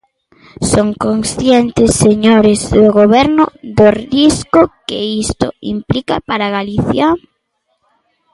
¿Son conscientes, señores do Goberno, do risco que isto implica para Galicia?